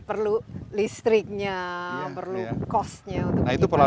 perlu listriknya perlu cost nya untuk menyimpan